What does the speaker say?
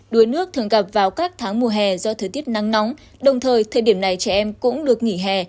đuối nước thường gặp vào các tháng mùa hè do thời tiết nắng nóng đồng thời thời điểm này trẻ em cũng được nghỉ hè